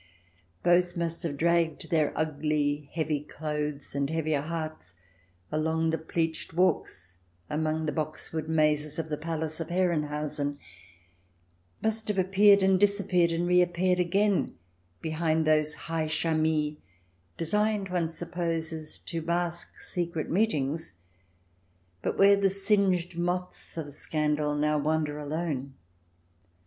Both must have dragged their ugly, heavy clothes and heavier hearts along the pleached walks among the boxwood mazes of the Palace of Herrenhausen, must have appeared, and disappeared and reappeared again behind those high charmilles, designed, one supposes, to mask secret meetings, but where the singed moths of scandal now wander alone.